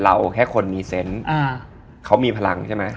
เราเห็นล่ะ